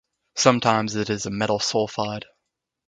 Sometimes it is a metal sulfide.